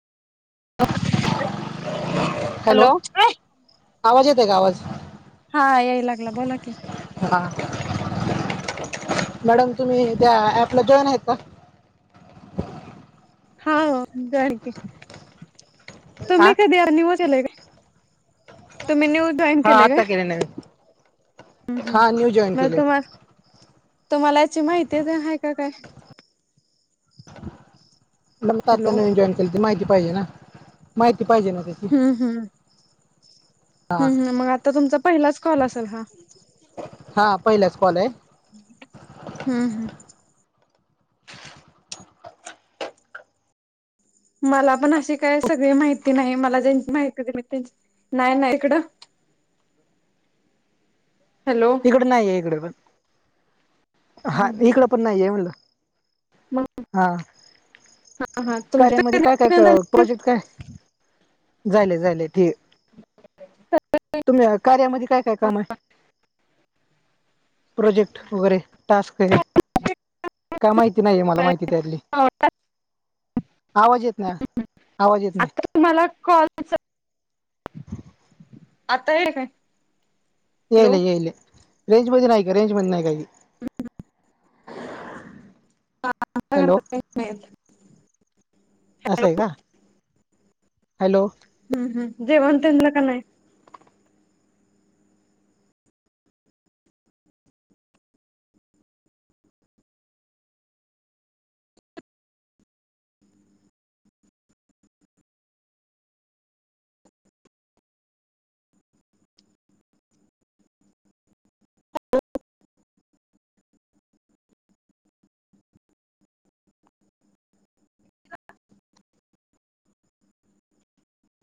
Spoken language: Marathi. [inaudible] हॅलो. आवाज येतोय का आवाज हा यायला लागला बोला की. हा मॅडम तुम्ही त्या ऍपला जॉईन हायत का? हा हो जॉईन की हा तुम्ही कधी? [unintelligible] तूम्ही [unintelligible] जॉईन हा केले काय आता नवीन म हा न्यू जॉईन केले तुम्हाला [unintelligible] तुम्हाला याची माहिती तेन हाय का काय? म्हनुन त हॅलो आपन अ जॉईन केलत त माहिती पाहिजे ना [unintelligible] माहिती पाहिजे ना त्याची. हम्म हम्म हम्म हम्म. मग आता तुमचा पहिलाच कॉल असलं हा? हा पहिलाच कॉल ए. हम्म हम्म. मला पण अशी काय सगळी माहिती नाही. मला ज्यांची माहिती होती मी त्यांच नाय ना इकडं. हॅलो. हिकडं नाहिए इकडं पण, हा हम्म हम्म इकडं पण नाहीये म्हणलं. मग हा. हा तुमची कार्यामध्ये काय काय प्रोजेक्ट काय झायले झालेती. तुम्ही कार्यामध्ये काय काय कामाय? प्रोजेक्ट वगैरे टास्क हे काय माहिती नाहिये मला माहिती त्यातली. आवाज येत नाय, आवाज येत नाय. आता तुम्हाला कॉलच आता य [unintelligible] काय? हॅलो यायले यायले रेंज मध्ये नाय का रेंज मध्ये नाय का हॅलो. हम्म असं ए का? हॅलो! हम्म हम जेवण त्यांनला का नाय?